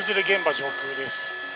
上空です。